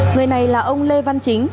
người này là ông lê văn chính